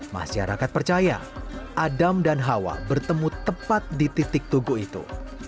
masyarakat percaya adam dan hawa bertemu tepat di titik tugu itu